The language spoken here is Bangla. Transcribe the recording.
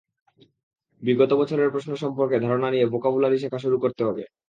বিগত বছরের প্রশ্ন সম্পর্কে ধারণা নিয়ে ভোকাবুলারি শেখা শুরু করতে হবে।